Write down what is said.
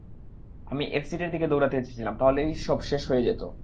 আমি এক্সিটের দিকে দৌড়াতে চেয়েছিলাম তাহলেই সব শেষ হয়ে যেত।